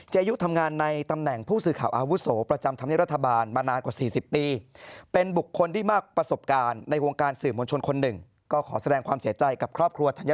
เจยุทำงานในตำแหน่งผู้สื่อข่าวอาวุศโศ